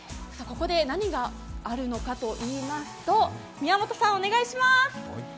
ここで何があるのかといいますと宮本さん、お願いします。